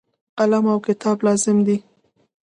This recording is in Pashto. قلم او کتاب لازم دي.